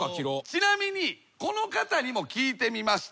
ちなみにこの方にも聞いてみました。